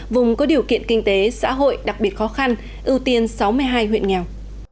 vùng có điều kiện kinh tế xã hội đặc biệt khó khăn ưu tiên sáu mươi hai huyện nghèo